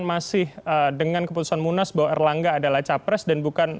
masih dengan keputusan munas bahwa erlangga adalah capres dan bukan